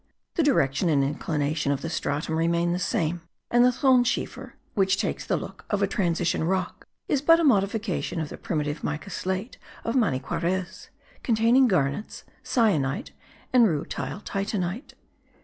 The direction and inclination of the stratum remain the same, and the thonschiefer, which takes the look of a transition rock, is but a modification of the primitive mica slate of Maniquarez, containing garnets, cyanite, and rutile titanite.